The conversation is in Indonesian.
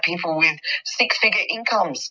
tidak bisa mencari makanan